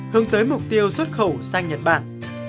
hướng tới mục tiêu xuất khẩu sang nhật bản